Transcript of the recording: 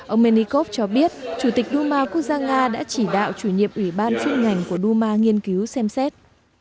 ông menikov cho biết chủ tịch đu ma quốc gia nga đã chỉ đạo chủ nhiệm ủy ban chức ngành của đu ma nghiên cứu xem xét